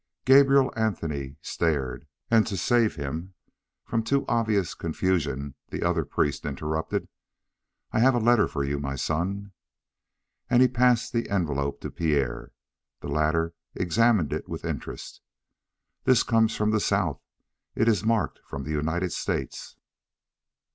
Gabrielle Anthony stared, and to save him from too obvious confusion the other priest interrupted: "I have a letter for you, my son." And he passed the envelope to Pierre. The latter examined it with interest. "This comes from the south. It is marked from the United States."